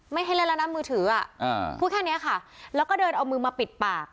ไม่ให้เล่นแล้วนะมือถืออ่ะอ่าพูดแค่เนี้ยค่ะแล้วก็เดินเอามือมาปิดปาก